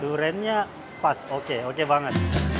duriannya pas oke oke banget